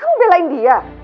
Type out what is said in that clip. kamu belain dia